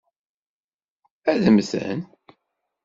Ad mmten?